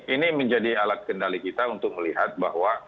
ini menjadi alat kendali kita untuk melihat bahwa